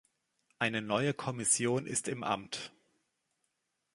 Eine neue Kommission ist im Amt.